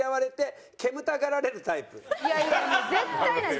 いやいやいや絶対ない！